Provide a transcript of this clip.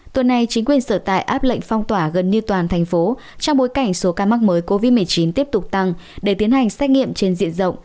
tuần này chính quyền sở tại áp lệnh phong tỏa gần như toàn thành phố trong bối cảnh số ca mắc mới covid một mươi chín tiếp tục tăng để tiến hành xét nghiệm trên diện rộng